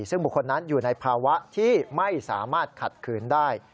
ซึ่งบุคคลนั้นอยู่ในภาวะที่ไม่สามารถขัดขืนได้